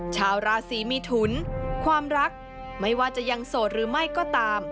ชาวราศีมีทุนความรักไม่ว่าจะยังโสดหรือไม่ก็ตาม